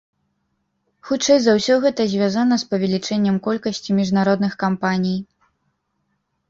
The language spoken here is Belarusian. Хутчэй за ўсё, гэта звязана з павелічэннем колькасці міжнародных кампаній.